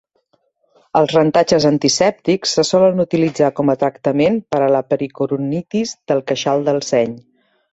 Els rentatges antisèptics se solen utilitzar com a tractament per a la pericoronitis del queixal del seny.